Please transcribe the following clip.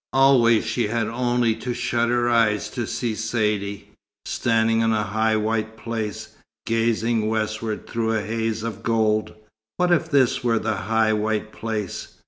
Always she had only had to shut her eyes to see Saidee, standing on a high white place, gazing westward through a haze of gold. What if this were the high white place?